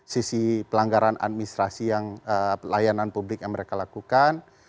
sisi pelanggaran administrasi yang pelayanan publik yang mereka lakukan